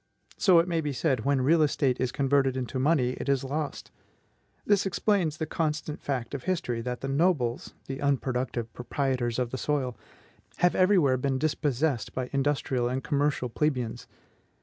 So it may be said, "When real estate is converted into money, it is lost." This explains the constant fact of history, that the nobles the unproductive proprietors of the soil have every where been dispossessed by industrial and commercial plebeians.